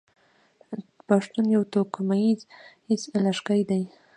پښتون يو توکميز لږکي دی.